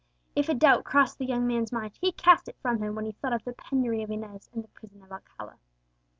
If a doubt crossed the young man's mind, he cast it from him when he thought of the penury of Inez, and the prison of Alcala.